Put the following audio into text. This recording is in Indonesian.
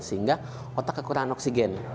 sehingga otak kekurangan oksigen